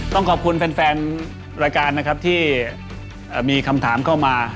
ต้องขอบคุณแฟนรายการนะครับที่มีคำถามเข้ามา